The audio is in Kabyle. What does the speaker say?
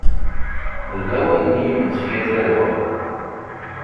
D lawan n yimensi, a tarwa.